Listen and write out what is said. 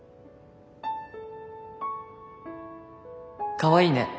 かわいいね。